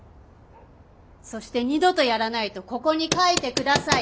そして二度とやらないとここに書いて下さい。